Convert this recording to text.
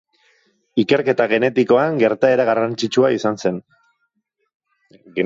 Ikerketa genetikoan gertaera garrantzitsua izan zen.